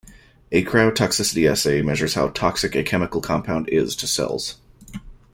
A cytotoxicity assay measures how toxic a chemical compound is to cells.